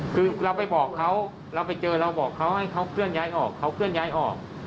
คือเราไปบอกเขาเราไปเจอเราบอกเขาให้เขาเคลื่อนย้ายออกเขาเคลื่อนย้ายออก